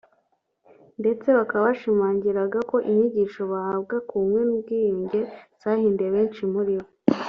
ndetse bakaba bashimangiraga ko inyigisho bahabwa ku bumwe n’ubwiyunge zahinduye benshi muri bo